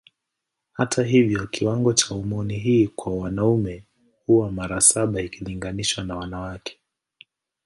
Hata hivyo kiwango cha homoni hii kwa wanaume huwa mara saba ikilinganishwa na wanawake.